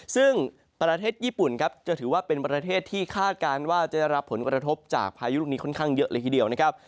ซึ่งประเทศญี่ปุ่นครับจะถือว่าเป็นประเทศที่คาดการณ์ว่าจะได้รับผลกระทบจากพายุลูกนี้ค่อนข้างเยอะเลยทีเดียวนะครับ